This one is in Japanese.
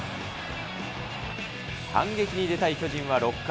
反撃に出たい巨人は６回。